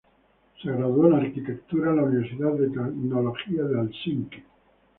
Se graduó en arquitectura en la Universidad de Tecnología de Helsinki.